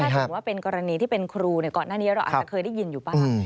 ถือว่าเป็นกรณีที่เป็นครูก่อนหน้านี้เราอาจจะเคยได้ยินอยู่บ้าง